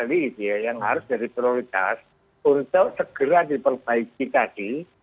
nah ini adalah hal yang harus diperluas untuk segera diperbaiki tadi